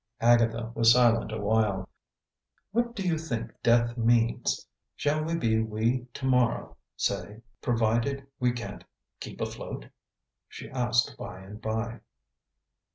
Agatha was silent a while. "What do you think death means? Shall we be we to morrow, say, provided we can't keep afloat?" she asked by and by.